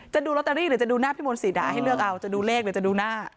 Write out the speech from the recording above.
ดูลอตเตอรี่หรือจะดูหน้าพี่มนตรีให้เลือกเอาจะดูเลขหรือจะดูหน้า